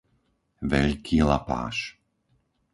Veľký Lapáš